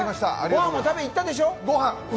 ご飯も食べに行ったでしょう。